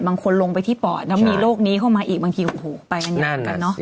บางคนลงไปที่ปอดแล้วมีโรคนี้เข้ามาอีกบางทีโอ้โหไปกันเยอะเหมือนกันเนอะ